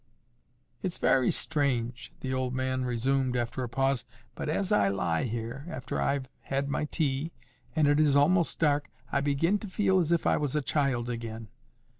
"It's very strange," the old man resumed after a pause, "but as I lie here, after I've had my tea, and it is almost dark, I begin to feel as if I was a child again.